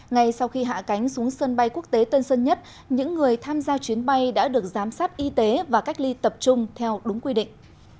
ngay sau khi hạ cánh xuống sân bay quốc tế tân sơn nhất những người tham gia chuyến bay đã được giám sát y tế và cách ly tập trung theo đúng quy định